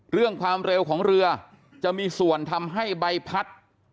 เรื่องความเร็วของเรือจะมีส่วนทำให้ใบพัด